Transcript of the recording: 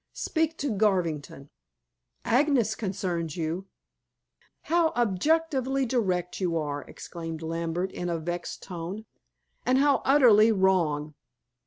Speak to Garvington." "Agnes concerns you." "How objectionably direct you are," exclaimed Lambert in a vexed tone. "And how utterly wrong.